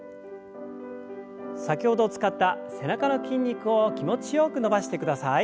先ほど使った背中の筋肉を気持ちよく伸ばしてください。